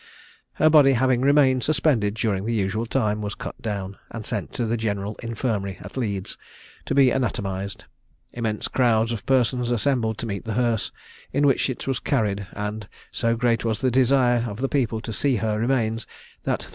Her body having remained suspended during the usual time, was cut down, and sent to the General Infirmary at Leeds to be anatomised. Immense crowds of persons assembled to meet the hearse, in which it was carried; and so great was the desire of the people to see her remains, that 30_l.